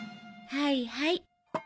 はいはい。